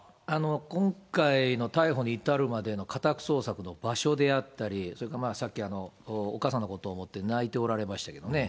今回の逮捕に至るまでの家宅捜索の場所であったり、それからさっきお母さんのことを思って泣いておられましたけどね。